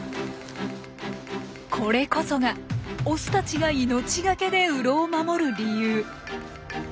これこそがオスたちが命懸けで洞を守る理由。